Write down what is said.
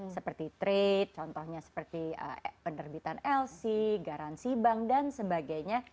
seperti trade contohnya seperti penerbitan lc garansi bank dan sebagainya